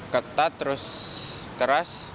ketat terus keras